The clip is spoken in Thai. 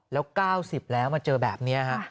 แล้ว๙๐แล้วมาเจอแบบนี้ฮะ